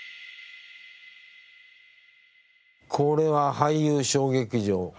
これは俳優小劇場。